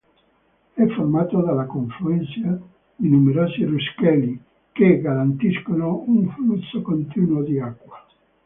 È formato dalla confluenza di numerosi ruscelli che garantiscono un flusso continuo di acqua.